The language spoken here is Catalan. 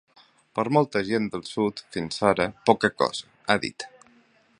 “Per molta gent del sud, fins ara, poca cosa”, ha dit.